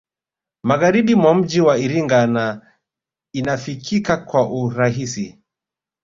Magharibi mwa mji wa Iringa na inafikika kwa urahisi